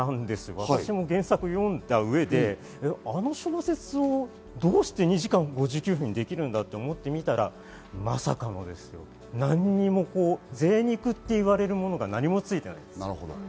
私も原作を読んだ上であの小説をどうして２時間５９分にできるんだと思ってみたらまさかの何にもぜい肉といわれるものが何もついてないです。